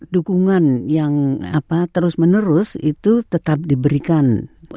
dukungan yang apa terus menerus itu tetap diberikan kepada mereka